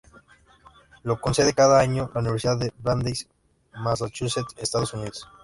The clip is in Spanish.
Lo concede cada año la Universidad de Brandeis, Massachusetts, Estados Unidos.